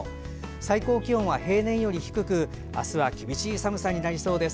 最高気温は平年より低く明日は厳しい寒さとなりそうです。